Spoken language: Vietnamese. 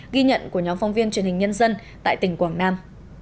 ghi nhận của nhóm phóng viên truyền hình nhân dân tại tỉnh quảng nam